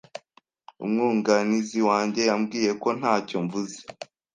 Umwunganizi wanjye yambwiye ko ntacyo mvuze.